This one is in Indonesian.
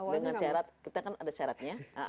dengan syarat kita kan ada syaratnya